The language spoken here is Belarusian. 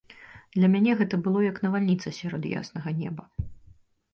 Для мяне гэта было як навальніца сярод яснага неба.